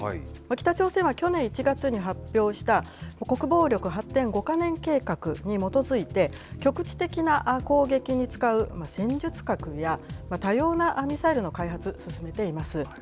北朝鮮は去年１月に発表した、国防力発展５か年計画に基づいて、局地的な攻撃に使う戦術核や、多様なミサイルの開発、進めています。